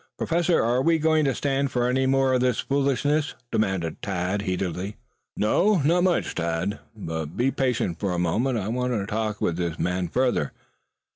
Professor, are we going to stand for any more of this foolishness?" demanded Tad heatedly. "No, not much, Tad. But be patient for a moment. I want to talk with this man further.